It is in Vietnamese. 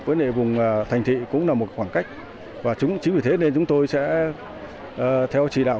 với vùng thành thị cũng là một khoảng cách và chính vì thế nên chúng tôi sẽ theo chỉ đạo